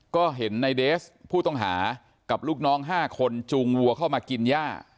ก็เห็นในเดสผู้ต้องหากับลูกน้อง๕คนจูงวัวเข้ามากินย่า